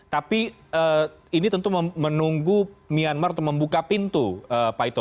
tapi ini tentu menunggu myanmar untuk membuka pintu pak ito